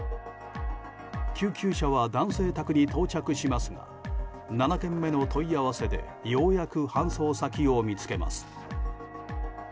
救急車は男性宅に到着しますが７件目の問い合わせでようやく搬送先を見つけます。